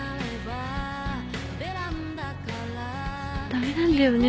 だめなんだよね